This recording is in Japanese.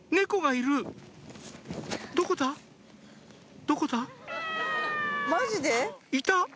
「いた！